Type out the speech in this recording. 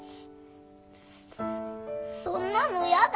そんなのやだ。